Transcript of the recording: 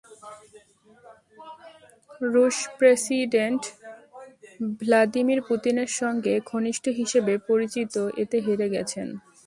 রুশ president Vladimir পুতিনের সঙ্গে ঘনিষ্ঠ হিসেবে পরিচিত এতে হেরে গেছেন।